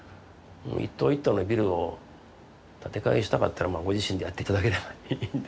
一棟一棟のビルを建て替えしたかったらご自身でやって頂ければいいんで。